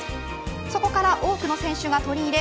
そこから多くの選手が取り入れ